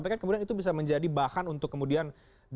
tapi kan kemudian itu bisa menjadi bahan untuk kemudian